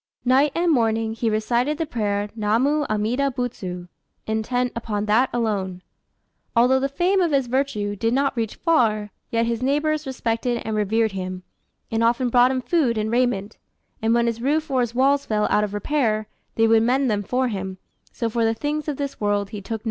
Night and morning he recited the prayer "Namu Amida Butsu," intent upon that alone. Although the fame of his virtue did not reach far, yet his neighbours respected and revered him, and often brought him food and raiment; and when his roof or his walls fell out of repair, they would mend them for him; so for the things of this world he took no thought.